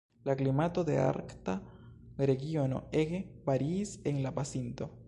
La klimato de Arkta regiono ege variis en la pasinto.